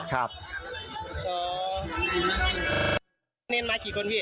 สามเมอร์เนนมากี่คนพี่